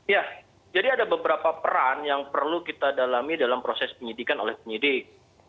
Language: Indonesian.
ya jadi ada beberapa peran yang perlu kita dalami dalam proses penyidikan oleh penyidik